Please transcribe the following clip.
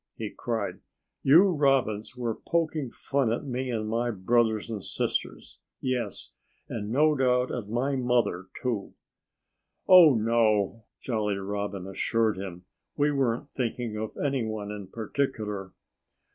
he cried. "You Robins were poking fun at me and my brothers and sisters. Yes! And no doubt at my mother, too!" "Oh, no!" Jolly Robin assured him. "We weren't thinking of any one in particular."